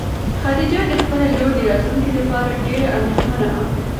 خدیجه د خپلې لور د راتلونکي لپاره ډېره اندېښمنه وه.